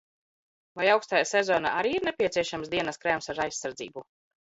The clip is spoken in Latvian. Vai aukstajā sezonā arī ir nepieciešams dienas krēms ar aizsardzību?